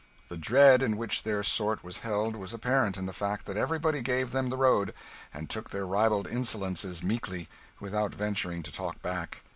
The dread in which their sort was held was apparent in the fact that everybody gave them the road, and took their ribald insolences meekly, without venturing to talk back.